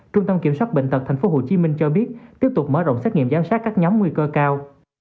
trung tâm kiểm soát bệnh tật tp hcm cho biết tiếp tục mở rộng xét nghiệm giám sát các nhóm nguy cơ cao